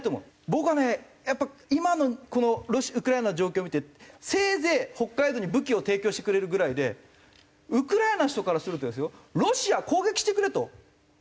僕はねやっぱ今のこのウクライナの状況を見てせいぜい北海道に武器を提供してくれるぐらいでウクライナの人からするとですよロシア攻撃してくれと思いますよ。